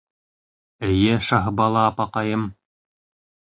— Эйе, Шаһбала апаҡайым...